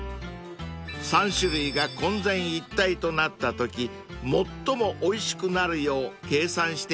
［３種類が混然一体となったとき最もおいしくなるよう計算しているんだそうです］